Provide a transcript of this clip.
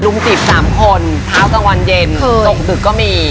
จีบ๓คนเช้ากลางวันเย็นตกดึกก็มี